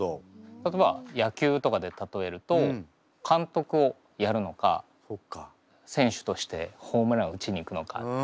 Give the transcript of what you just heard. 例えば野球とかで例えると監督をやるのか選手としてホームラン打ちにいくのか。